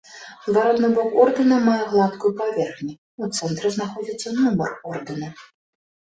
Зваротны бок ордэна мае гладкую паверхню, у цэнтры знаходзіцца нумар ордэна.